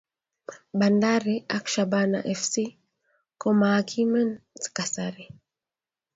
Bandari ak Shabana fc ko makimen kasari